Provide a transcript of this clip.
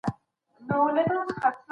سمه ناسته ملا ژغوري